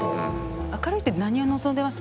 「明るい」って何を望んでます？